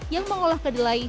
yang mengolah kedilai